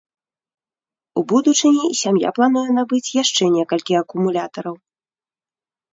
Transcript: У будучыні сям'я плануе набыць яшчэ некалькі акумулятараў.